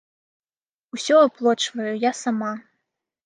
Усё аплочваю я сама.